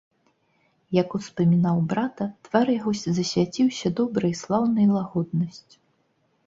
Як успамінаў брата, твар яго засвяціўся добраю, слаўнаю лагоднасцю.